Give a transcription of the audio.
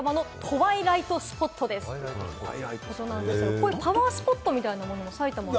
こうしたパワースポットみたいなのも埼玉に？